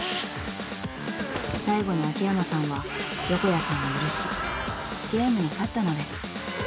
［最後に秋山さんはヨコヤさんを許しゲームに勝ったのです］